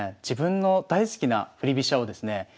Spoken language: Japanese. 自分の大好きな振り飛車をですね